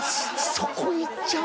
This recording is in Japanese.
そこいっちゃう？